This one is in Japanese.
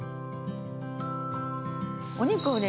お肉をね